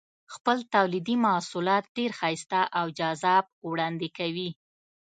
خپل تولیدي محصولات ډېر ښایسته او جذاب وړاندې کوي.